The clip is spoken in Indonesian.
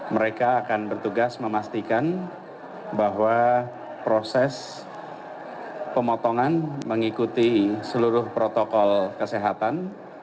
mereka akan bertugas memastikan bahwa proses pemotongan mengikuti seluruh protokol kesehatan